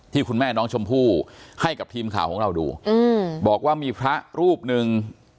คุณแม่น้องชมพู่ให้กับทีมข่าวของเราดูอืมบอกว่ามีพระรูปหนึ่ง